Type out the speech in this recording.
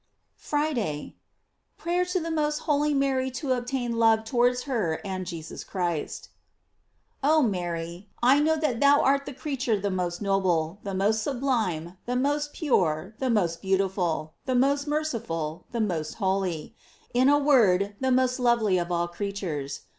FRIDAY. Prayer to the most holy Mary to obtain love towards h^f and Jesus Christ. OH Mary, I know that thou art the creature the most noble, the most sublime, the most pure^ the most beautiful, the most merciful, the most holy; in a word, the most lovely of all creatures.